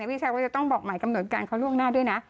พี่ชายก็จะต้องบอกหมายกำหนดการเขาล่วงหน้าด้วยนะ